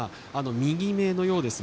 右目のようです。